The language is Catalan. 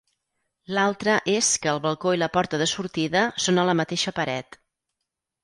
L'altre és que el balcó i la porta de sortida són a la mateixa paret.